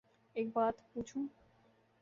ایک بات پو چوں